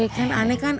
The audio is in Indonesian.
kan aneh kan